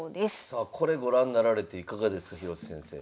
さあこれご覧なられていかがですか広瀬先生。